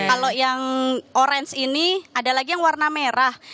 kalau yang orange ini ada lagi yang warna merah